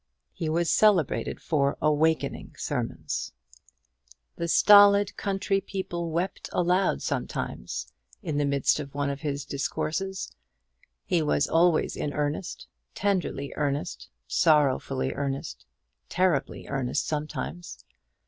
He was celebrated for awakening sermons. The stolid country people wept aloud sometimes in the midst of one of his discourses. He was always in earnest; tenderly earnest, sorrowfully earnest, terribly earnest sometimes.